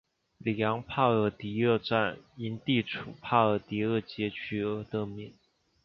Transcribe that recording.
里昂帕尔迪厄站因地处帕尔迪厄街区而得名。